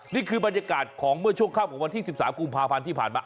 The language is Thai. นี่คือบรรยากาศของเมื่อช่วงค่ำของวันที่๑๓กุมภาพันธ์ที่ผ่านมา